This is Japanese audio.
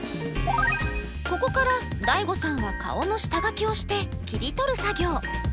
ここからＤＡＩＧＯさんは顔の下書きをして切り取る作業。